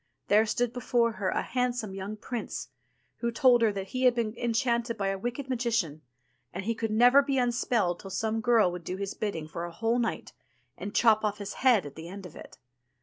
there stood before her a handsome young prince, who told her that he had been enchanted by a wicked magician, and he could never be unspelled till some girl would do his bidding for a whole night, and chop off his head at the end of it.